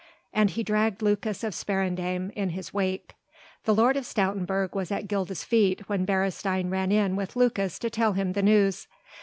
And he dragged Lucas of Sparendam in his wake. The Lord of Stoutenburg was at Gilda's feet when Beresteyn ran in with Lucas to tell him the news.